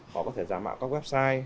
họ có thể giả mạo các website